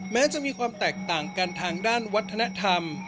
แม้จะมีความแตกต่างกันทางด้านวัฒนธรรม